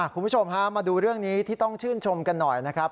คุณผู้ชมฮะมาดูเรื่องนี้ที่ต้องชื่นชมกันหน่อยนะครับ